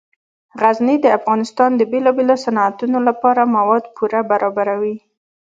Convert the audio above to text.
غزني د افغانستان د بیلابیلو صنعتونو لپاره مواد پوره برابروي.